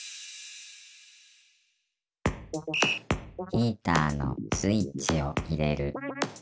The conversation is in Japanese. ヒーターのスイッチを入れる。